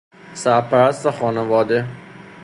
سرپرست خانواده